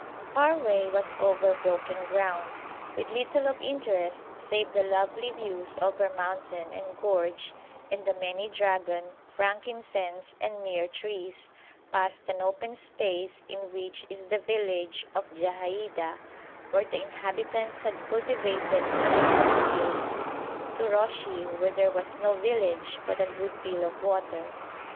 Our way was over broken ground, with little of interest save the lovely views over mountain and gorge and the many dragon, frankincense, and myrrh trees, past an open space in which is the village of Jahaida, where the inhabitants had cultivated some little fields, to Röshi, where there was no village but a good deal of water.